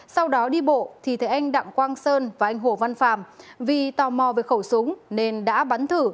sau đó đi bộ thì thấy anh đặng quang sơn và anh hồ văn phạm vì tò mò về khẩu súng nên đã bắn thử